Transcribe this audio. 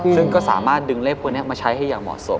ซึ่งก็สามารถดึงเลขพวกนี้มาใช้ให้อย่างเหมาะสม